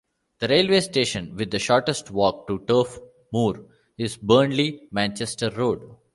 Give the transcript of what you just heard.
The railway station with the shortest walk to Turf Moor is Burnley Manchester Road.